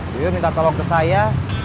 beliau minta tolong ke saya